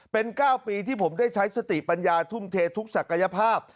เป็น๙ปีที่ผมได้ใช้สติปัญญาทุ่มเททุกศักยภาพ